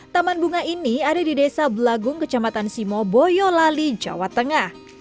taman bunga ini ada di desa belagung kecamatan simo boyolali jawa tengah